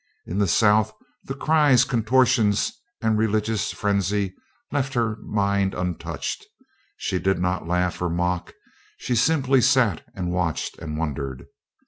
In the South the cries, contortions, and religious frenzy left her mind untouched; she did not laugh or mock, she simply sat and watched and wondered.